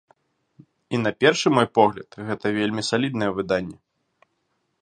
І на першы мой погляд, гэта вельмі саліднае выданне.